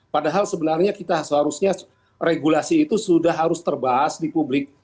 padahal sebenarnya kita seharusnya regulasi itu sudah harus terbahas di publik